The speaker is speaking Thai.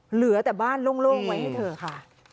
เหลือแต่บ้านโล่งไว้ให้เธอค่ะ